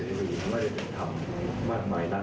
เอาผลทางที่จะได้พลังที่สุดที่จะไหนนะครับ